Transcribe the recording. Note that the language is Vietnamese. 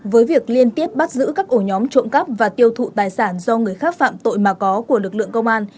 với việc liên tiếp bắt giữ các ổ nhóm trộm cắp và tiêu thụ tài sản do người khác phạm tội mà có của lực lượng công an